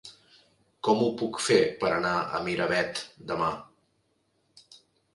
Com ho puc fer per anar a Miravet demà?